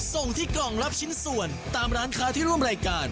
ส่งที่กล่องรับชิ้นส่วนตามร้านค้าที่ร่วมรายการ